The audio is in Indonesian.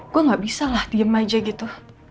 gue gak bisa lah diem aja gitu